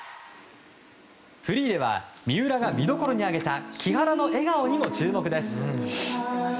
フリーでは三浦が見どころに挙げた木原の笑顔にも注目です。